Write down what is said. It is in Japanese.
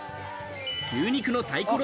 牛肉のサイコロ